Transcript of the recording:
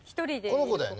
この子だよね？